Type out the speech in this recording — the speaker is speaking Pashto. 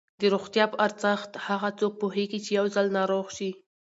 د روغتیا په ارزښت هغه څوک پوهېږي چې یو ځل ناروغ شي.